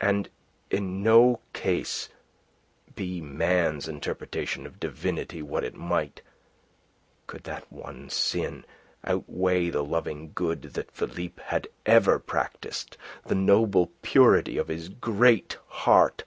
And in no case be man's interpretation of Divinity what it might could that one sin outweigh the loving good that Philippe had ever practised, the noble purity of his great heart.